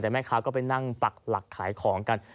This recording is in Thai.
แต่แม่ค้าก็ไปนั่งปักหลักขายของกัน